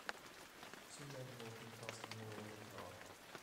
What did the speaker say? Two men walking past a mural of a car.